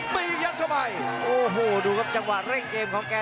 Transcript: ตีกยันอกเข้าไปโอ้โหดูจังหวะเร่งเกมของแก